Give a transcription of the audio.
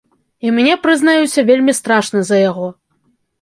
І мне прызнаюся вельмі страшна за яго.